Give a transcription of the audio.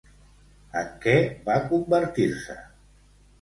En què va convertir-se?